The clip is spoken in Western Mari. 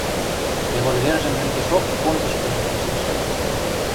Револьвержӹм мӹнгешок понгышкыжы пиштӹшӓт: